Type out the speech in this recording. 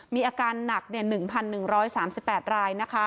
มีอาการหนัก๑๑๓๘ราย